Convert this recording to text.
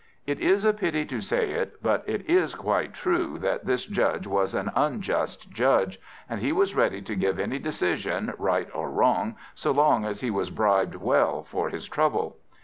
It is a pity to say it, but it is quite true, that this Judge was an unjust Judge; and he was ready to give any decision, right or wrong, so long as he was bribed well for his trouble.